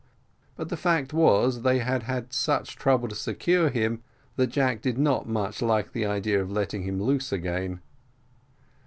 but the fact was, they had had such trouble to secure him, that Jack did not much like the idea of letting him loose again.